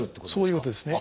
そういうことですね。